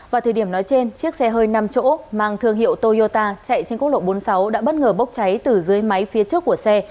vào thời điểm nói trên chiếc xe hơi năm chỗ mang thương hiệu toyota chạy trên quốc lộ bốn mươi sáu đã bất ngờ bốc cháy từ dưới máy phía trước của xe